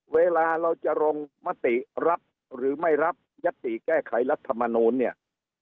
เวลาเราจะลงมติรับหรือไม่รับยัตติแก้ไขรัฐมนูลเนี่ย